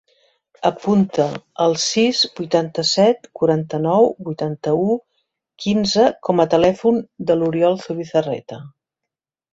Apunta el sis, vuitanta-set, quaranta-nou, vuitanta-u, quinze com a telèfon de l'Oriol Zubizarreta.